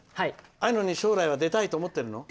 ああいうのに将来は出たいと思っているの？